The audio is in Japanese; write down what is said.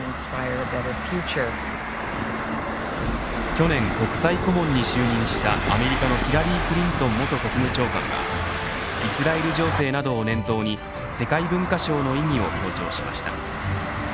去年、国際顧問に就任したアメリカのヒラリー・クリントン元国務長官はイスラエル情勢などを念頭に世界文化賞の意義を強調しました。